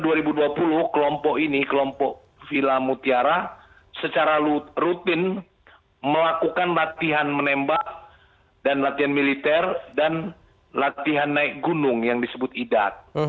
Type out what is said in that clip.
oktober dua ribu dua puluh kelompok ini kelompok vila mutiara secara rutin melakukan latihan menembak dan latihan militer dan latihan naik gunung yang disebut idat